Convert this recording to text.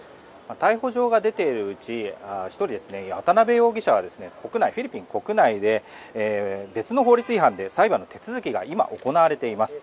逮捕状が出ているうちの１人渡邉容疑者は、フィリピン国内で別の法律違反で裁判の手続きが今、行われています。